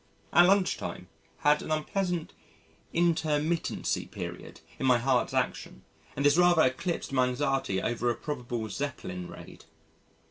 At lunch time, had an unpleasant intermittency period in my heart's action and this rather eclipsed my anxiety over a probable Zeppelin Raid.